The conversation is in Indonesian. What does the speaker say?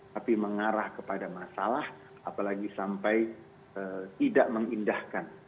tapi mengarah kepada masalah apalagi sampai tidak mengindahkan